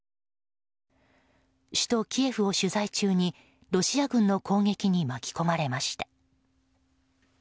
首都キエフを取材中にロシア軍の攻撃に巻き込まれました。